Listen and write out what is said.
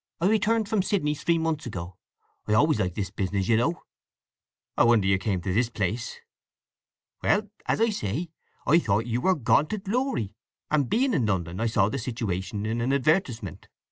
I returned from Sydney three months ago. I always liked this business, you know." "I wonder you came to this place!" "Well, as I say, I thought you were gone to glory, and being in London I saw the situation in an advertisement.